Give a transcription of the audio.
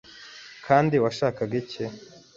Kandi washakaga iki?